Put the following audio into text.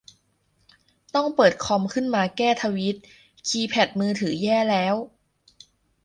ต้องเปิดคอมขึ้นมาแก้ทวีต คีย์แพดมือถือแย่แล้ว